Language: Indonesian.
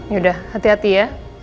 yaudah hati hati ya